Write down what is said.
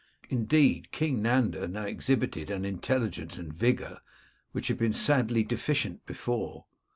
Indeed, King Nanda now exhibited an intelligence and vigour which had been sadly deficient before.